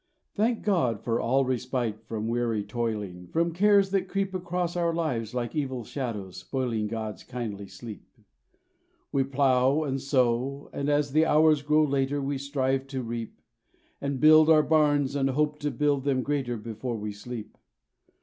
Thank God for all respite from weary toiling, From cares that creep Across our lives like evil shadows, spoiling God's kindly sleep. We plough and sow, and, as the hours grow later, We strive to reap, And build our barns, and hope to build them greater Before we sleep.